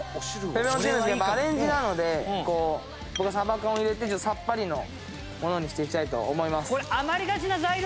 ペペロンチーノですけどやっぱアレンジなのでこう僕はさば缶を入れてちょっとさっぱりのものにしていきたいと思います。